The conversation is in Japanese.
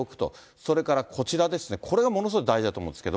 それからこちらですね、これがものすごく大事だと思うんですけど。